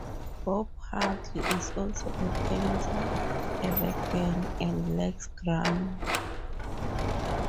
Bob Hardy is also a painter, a vegan, and likes grammar.